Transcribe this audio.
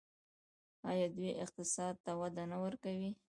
آیا دوی اقتصاد ته وده نه ورکوي؟